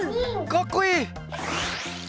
かっこいい！